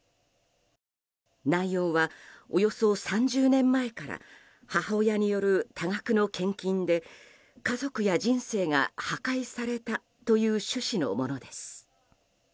内容は、およそ３０年前から母親による多額の献金で家族や人生が破壊されたという趣旨のものです。